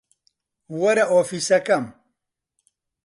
وەرە ئۆفیسەکەم.